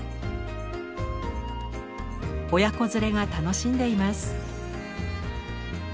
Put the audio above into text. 親子連れが楽しんでいます。